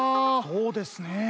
そうですねえ。